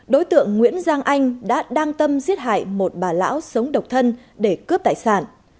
đối tượng nguyễn giang anh đã đang tâm giết hại một bà lão sống độc thân để cướp tài sản